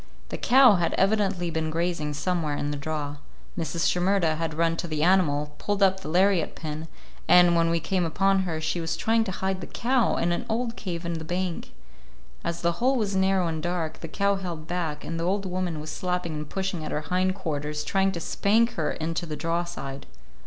The cow had evidently been grazing somewhere in the draw. Mrs. Shimerda had run to the animal, pulled up the lariat pin, and, when we came upon her, she was trying to hide the cow in an old cave in the bank. As the hole was narrow and dark, the cow held back, and the old woman was slapping and pushing at her hind quarters, trying to spank her into the draw side.